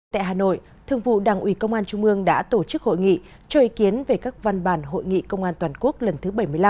tại hà nội thương vụ đảng ủy công an trung ương đã tổ chức hội nghị cho ý kiến về các văn bản hội nghị công an toàn quốc lần thứ bảy mươi năm